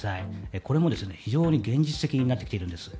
これも非常に現実的になってきているんです。